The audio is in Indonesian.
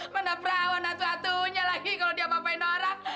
mana perawan atuh atuhnya lagi kalo dia mampain orang